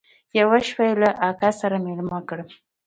يوه شپه يې له اکا سره ميلمه کړم.